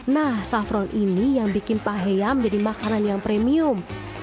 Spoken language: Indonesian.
nah safron ini yang bikin paheya menjadi makanan yang premium